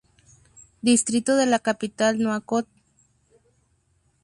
Distrito de la capital Nuakchot.